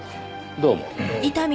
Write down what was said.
どうも。